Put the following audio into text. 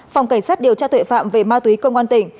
phòng cảnh sát điều tra tuệ phạm về ma túy công an tỉnh